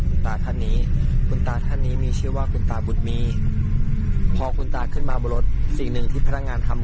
ผมถามคุณตาบุญมีว่าคุณตาบุญมีขึ้นมากรุงเทพทำไมครับ